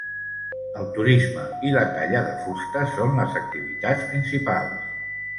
El turisme i la talla de fusta són les activitats principals.